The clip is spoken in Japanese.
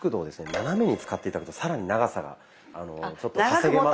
斜めに使って頂くと更に長さがちょっと稼げますので。